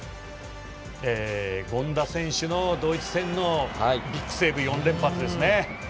権田選手のドイツ戦のビッグセーブ４連発ですね。